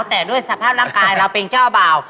แต่ด้วยสภาพร่างกายเราเป็นเจ้าบ่าว